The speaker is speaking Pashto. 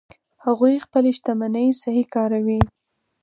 هغوی خپلې شتمنۍ صحیح کاروي